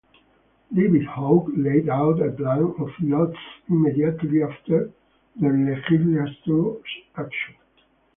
David Hoge laid out a plan of lots immediately after the legislature's action.